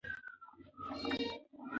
ایا دا ګولۍ به زما د سر درد لږ کم کړي؟